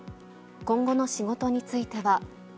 今後の仕事については。